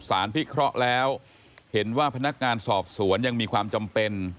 พิเคราะห์แล้วเห็นว่าพนักงานสอบสวนยังมีความจำเป็น